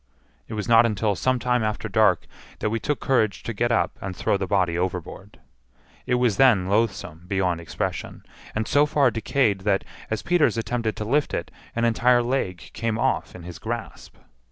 It was not until some time after dark that we took courage to get up and throw the body overboard. It was then loathsome beyond expression, and so far decayed that, as Peters attempted to lift it, an entire leg came off in his grasp.